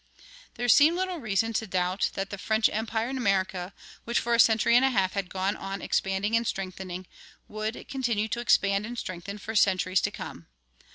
"[22:1] There seemed little reason to doubt that the French empire in America, which for a century and a half had gone on expanding and strengthening, would continue to expand and strengthen for centuries to come.